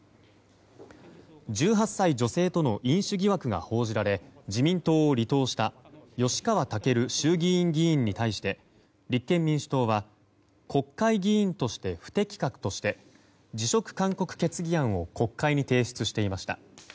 １８歳女性との飲酒疑惑が報じられ自民党を離党した吉川赳衆議院議員に対して立憲民主党は国会議員として不適格として辞職勧告決議案を国会に提出していました。